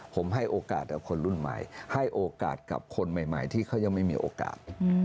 ผมให้โอกาสกับคนรุ่นใหม่ให้โอกาสกับคนใหม่ที่เขายังไม่มีโอกาส